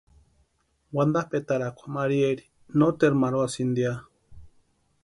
Wantapʼetarakwa Maríaeri noteru marhuasïnti ya.